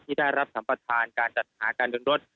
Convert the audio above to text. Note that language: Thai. ที่ได้รับสัมประธานการจัดหาการเดินรถ